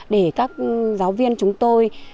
để các giáo viên chúng tôi